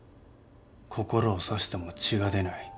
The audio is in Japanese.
心を刺しても血が出ない。